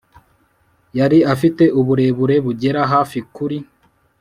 Yari afite uburebure bugera hafi kuri